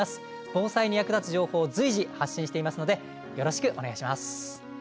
防災に役立つ情報を随時発信していますのでよろしくお願いします。